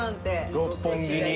六本木に。